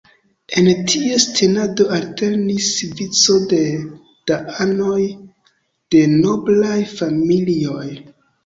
En ties tenado alternis vico da anoj de noblaj familioj.